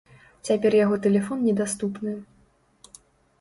Цяпер яго тэлефон недаступны.